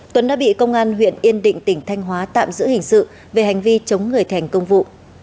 tuấn đã bị công an huyện yên định tỉnh thanh hóa tạm giữ hình sự về hành vi chống người thành công vụ